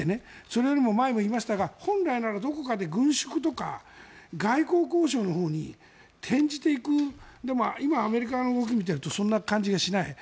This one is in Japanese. それよりも、前に言いましたが本来ならどこかで軍縮とか外交交渉のほうに転じていく今、アメリカの動きを見ているとそんな感じがしない。